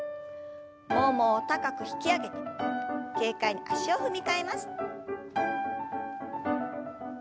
ももを高く引き上げ軽快に足を踏み替えます。